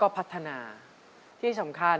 กลับมาฟังเพลง